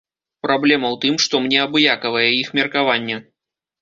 Праблема ў тым, што мне абыякавае іх меркаванне.